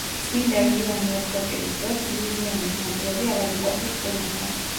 წმინდა იოანე ოქროპირის დროს იულიანეს ნაწილები ავადმყოფებს კურნავდა.